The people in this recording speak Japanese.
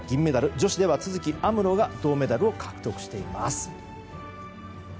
女子では都筑有夢路が銅メダルを獲得しています。